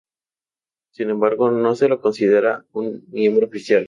Sin embargo, no se lo considera un miembro oficial.